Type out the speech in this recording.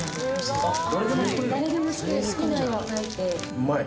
うまい。